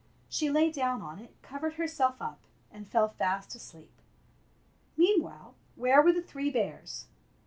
She lay down on it, covered herself up, and fell fast asleep. Meanwhile, where were the three bears?